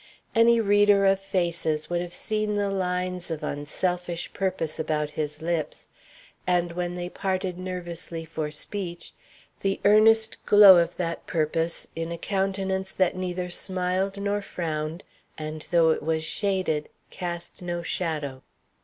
Any reader of faces would have seen the lines of unselfish purpose about his lips, and, when they parted nervously for speech, the earnest glow of that purpose in a countenance that neither smiled nor frowned, and, though it was shaded, cast no shadow.